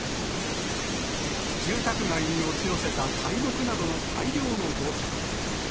住宅街に押し寄せた大木などの大量の土砂。